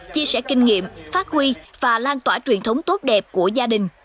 chia sẻ kinh nghiệm phát huy và lan tỏa truyền thống tốt đẹp của gia đình